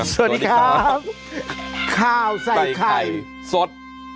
สวัสดีครับข้าวใส่ไข่สด